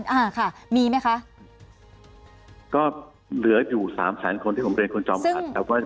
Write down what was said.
มาตรการอะไรไปดูแลเขาเขาก็ยังเข้าไม่ถึงเลย